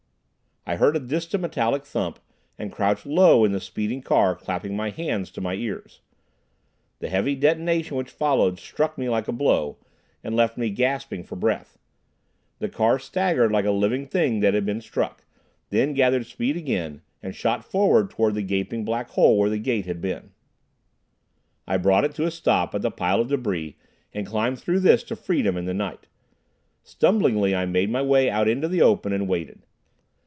I heard a distant metallic thump, and crouched low in the speeding car, clapping my hands to my ears. The heavy detonation which followed, struck me like a blow, and left me gasping for breath. The car staggered like a living thing that had been struck, then gathered speed again and shot forward toward the gaping black hole where the gate had been. I brought it to a stop at the pile of debris, and climbed through this to freedom and the night. Stumblingly I made my way out into the open, and waited.